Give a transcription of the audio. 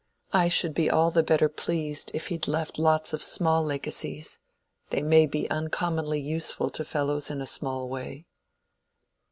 I should be all the better pleased if he'd left lots of small legacies. They may be uncommonly useful to fellows in a small way."